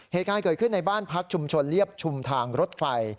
เหตุการณ์เกิดขึ้นในบ้านพักชุมชนเรียบชุมทางรถไฟ